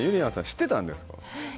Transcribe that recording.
知ってたんですか？